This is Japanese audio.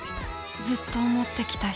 ずっと思ってきた人。